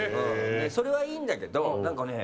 それはいいんだけどなんかね